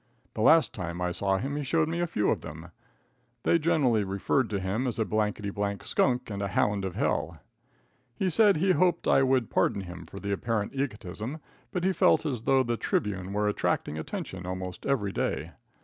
The last time I saw him he showed me a few of them. They generally referred to him as a blankety blank "skunk," and a "hound of hell." He said he hoped I wound pardon him for the apparent egotism, but he felt as though the Tribune was attracting attention almost everyday.